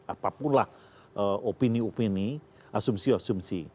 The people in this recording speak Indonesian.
apapun lah opini opini asumsi asumsi